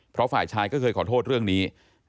เพราะฝ่ายชายก็เคยขอโทษเรื่องนี้